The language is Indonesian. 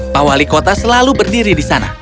pak wali kota selalu berdiri di sana